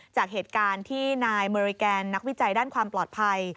จากเหตุการณ์ที่นายเมอริแกนนักวิจัยด้านความปลอดภัย